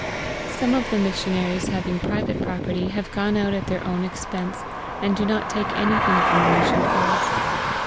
Some of the missionaries having private property have gone out at their own expense, and do not take anything from the Mission funds.